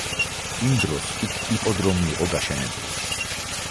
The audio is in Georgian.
იმ დროს იქ იპოდრომი იყო გაშენებული.